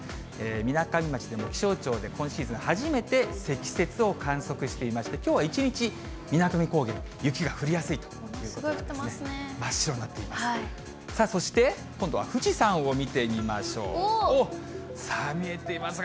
みなかみ町でも気象庁で、今シーズン初めて積雪を観測していまして、きょうは一日、水上高原、雪が降りやすいということなんですごい降ってますね。